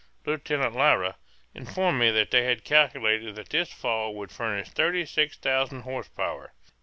Lieutenant Lyra informed me that they had calculated that this fall would furnish thirty six thousand horse power.